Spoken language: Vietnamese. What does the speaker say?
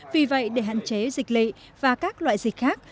vì vậy để hạn chế dịch lị và các loại dịch khác